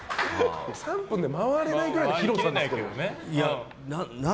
３分で回れないくらいの広さですけど。